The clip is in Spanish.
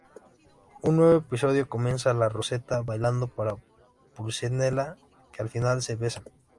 Un nuevo episodio comienza con Rosetta bailando para Pulcinella, que al final se besan.